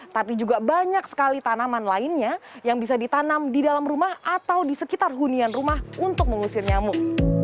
tapi juga banyak sekali tanaman lainnya yang bisa ditanam di dalam rumah atau di sekitar hunian rumah untuk mengusir nyamuk